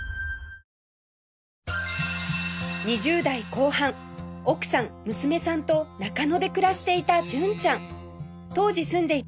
２０代後半奥さん娘さんと中野で暮らしていた純ちゃん